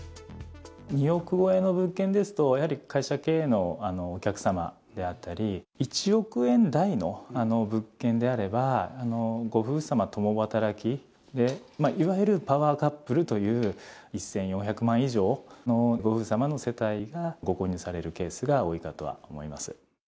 ２億超えの物件ですと、やはり会社経営のお客様であったり、１億円台の物件であれば、ご夫婦様共働きで、いわゆるパワーカップルという１４００万以上のご夫婦様の世帯がご購入されるケースが多いかとは思います。